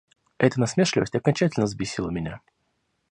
Эта насмешливость окончательно взбесила меня.